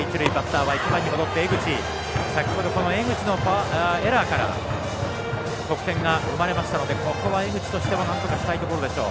先ほどは江口のエラーから得点が生まれましたのでここは江口としてはなんとかしたいところでしょう。